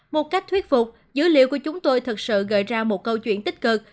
một cách thuyết phục dữ liệu của chúng tôi thật sự gợi ra một câu chuyện tích cực